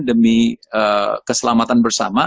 demi keselamatan bersama